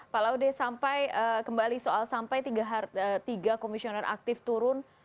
pak laude sampai kembali soal sampai tiga komisioner aktif turun